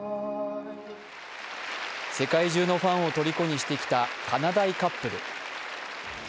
世界中のファンをとりこにしてきた、かなだいカップル。